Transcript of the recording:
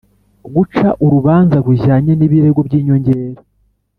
Guca urubanza rujyanye n’ ibirego by’ inyongera